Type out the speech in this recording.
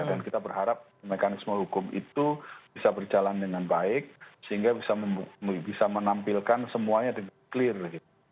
dan kita berharap mekanisme hukum itu bisa berjalan dengan baik sehingga bisa menampilkan semuanya di clear gitu